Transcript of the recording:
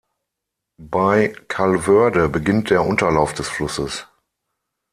Bei Calvörde beginnt der Unterlauf des Flusses.